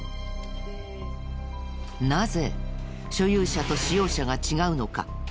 なぜ所有者と使用者が違うのか？